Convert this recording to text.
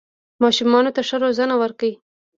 ماشومانو ته ښه روزنه ورکړئ